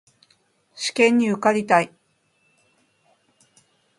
試験に受かりたい